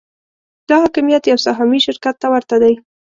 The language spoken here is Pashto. دا حاکمیت یو سهامي شرکت ته ورته دی.